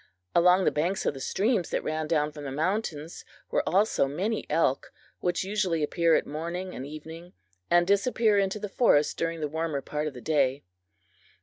Along the banks of the streams that ran down from the mountains were also many elk, which usually appear at morning and evening, and disappear into the forest during the warmer part of the day.